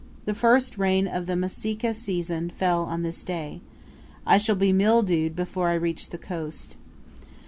The first rain of the Masika season fell on this day; I shall be mildewed before I reach the coast.